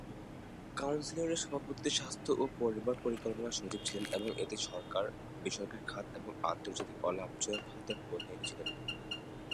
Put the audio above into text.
কাউন্সিলের সভাপতিত্বে স্বাস্থ্য ও পরিবার পরিকল্পনা সচিব ছিলেন এবং এতে সরকার, বেসরকারী খাত এবং আন্তর্জাতিক অলাভজনক খাতের প্রতিনিধি ছিলেন।